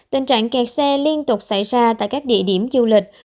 tình trạng kẹt xe liên tục xảy ra tại các địa điểm du lịch